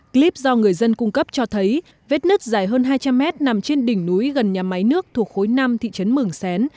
clip do người dân cung cấp cho thấy vết nứt dài hơn hai trăm linh mét nằm trên đỉnh núi gần nhà máy nước thuộc khối năm thị trấn mường xén